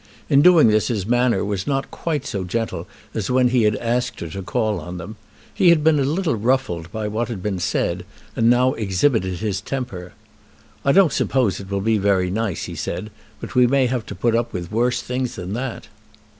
In doing this his manner was not quite so gentle as when he had asked her to call on them. He had been a little ruffled by what had been said, and now exhibited his temper. "I don't suppose it will be very nice," he said, "but we may have to put up with worse things than that."